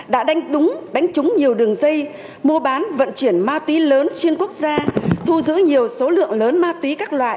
đã đánh đúng đánh trúng nhiều đường dây mua bán vận chuyển ma túy lớn xuyên quốc gia thu giữ nhiều số lượng lớn ma túy các loại